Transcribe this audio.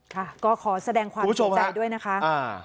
ค่ะก็ขอแสดงความเสียใจด้วยนะคะ